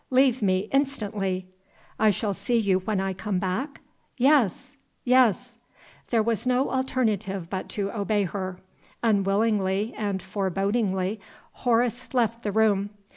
leave me instantly!" "I shall see you when I come back?" "Yes! yes!" There was no alternative but to obey her. Unwillingly and forebodingly, Horace left the room.